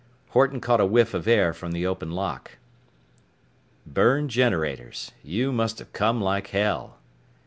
Horton caught a whiff of air from the open lock. "B u r n e d generators? You must've come like hell."